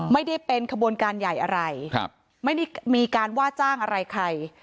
ไม่ได้เป็นขบวนการใหญ่อะไรครับไม่ได้มีการว่าจ้างอะไรใคร